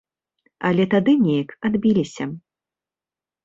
Але тады неяк адбіліся.